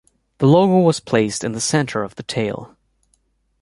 The logo was placed in the center of the tail.